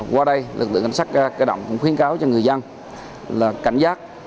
qua đây lực lượng cảnh sát cơ động cũng khuyên cáo cho người dân là cảnh giác